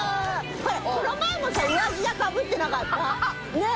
この前もさ上着がかぶってなかった？ねぇ。